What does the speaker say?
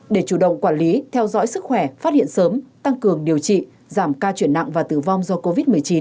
để chủ động quản lý theo dõi sức khỏe phát hiện sớm tăng cường điều trị giảm ca chuyển nặng và tử vong do covid một mươi chín